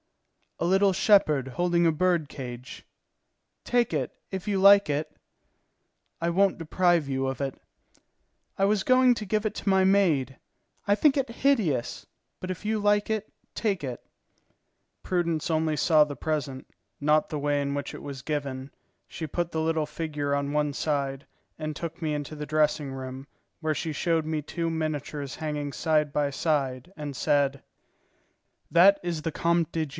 "A little shepherd holding a bird cage." "Take it, if you like it." "I won't deprive you of it." "I was going to give it to my maid. I think it hideous; but if you like it, take it." Prudence only saw the present, not the way in which it was given. She put the little figure on one side, and took me into the dressing room, where she showed me two miniatures hanging side by side, and said: "That is the Comte de G.